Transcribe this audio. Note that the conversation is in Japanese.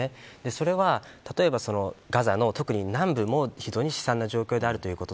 それは、例えばガザの特に南部も非常に悲惨な状況であるということ。